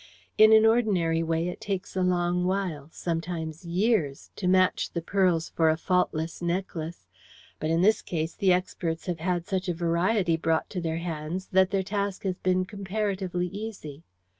In an ordinary way it takes a long while sometimes years to match the pearls for a faultless necklace, but in this case the experts have had such a variety brought to their hands that their task has been comparatively easy.